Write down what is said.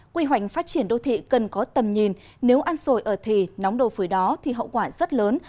quy hoạch phát triển đô thị cần có tầm nhìn nếu ăn sồi ở thì nóng đồ phủi đó thì hậu quả rất lớn